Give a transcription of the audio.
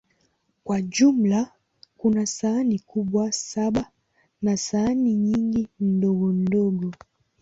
Kwa jumla, kuna sahani kubwa saba na sahani nyingi ndogondogo.